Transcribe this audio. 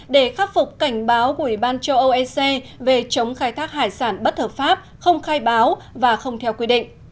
để khắc phục cảnh báo của ủy ban châu âu ec về chống khai thác hải sản bất hợp pháp không khai báo và không theo quy định